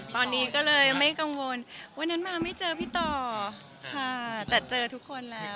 ตอนนี้ก็เลยไม่กังวลวันนั้นมาไม่เจอพี่ต่อค่ะแต่เจอทุกคนแล้ว